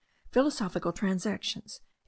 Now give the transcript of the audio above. Philosophical Transactions 1816.)